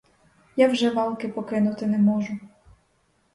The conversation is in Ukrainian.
Я вже валки покинути не можу.